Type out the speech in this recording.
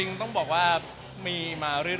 คือแฟนคลับเขามีเด็กเยอะด้วย